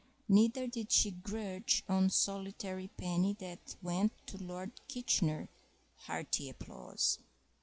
Neither did she grudge one solitary penny that went to Lord Kitchener (hearty applause).